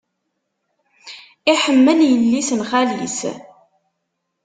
Iḥemmel yelli-s n xali-s.